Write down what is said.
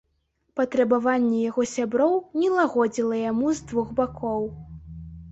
Патрабаванне яго сяброў не лагодзіла яму з двух бакоў.